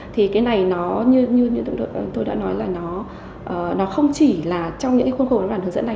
thì cái này nó như tôi đã nói là nó không chỉ là trong những khuôn khu văn bản hướng dẫn này